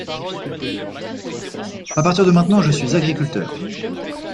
À partir de maintenant, je suis agriculteur.